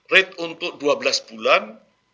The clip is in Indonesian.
rate untuk dua belas bulan